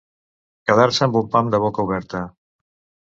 Quedar-se amb un pam de boca oberta.